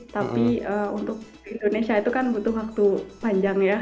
tapi untuk indonesia itu kan butuh waktu panjang ya